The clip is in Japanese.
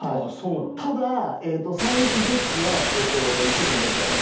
ただ、再熱除湿は一部のメーカーさん